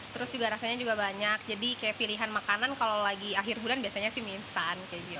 terus rasanya juga banyak jadi pilihan makanan kalau lagi akhir bulan biasanya mie instan